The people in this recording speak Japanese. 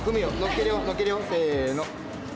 せの。